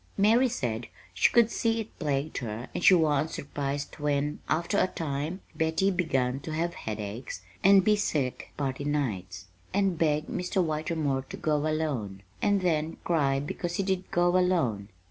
"Mary said she could see it plagued her and she wa'n't surprised when, after a time, Betty begun to have headaches and be sick party nights, and beg Mr. Whitermore to go alone and then cry because he did go alone.